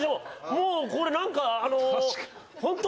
もうこれ何かあのほんと